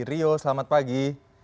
rio selamat pagi